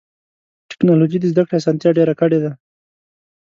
ټکنالوجي د زدهکړې اسانتیا ډېره کړې ده.